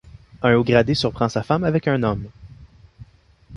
Un haut gradé surprend sa femme avec un homme.